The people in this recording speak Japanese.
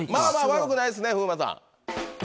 悪くないですね風磨さん。